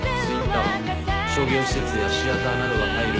商業施設やシアターなどが入る